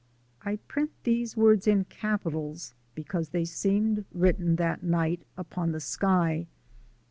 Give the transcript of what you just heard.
I print these words in capitals because they seemed written that night upon the sky.